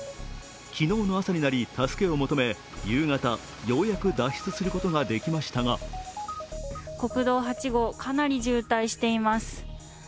昨日の朝になり助けを求め夕方、ようやく脱出することができましたが国道８号、かなり渋滞しています。